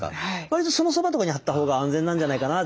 わりとそのそばとかに張った方が安全なんじゃないかな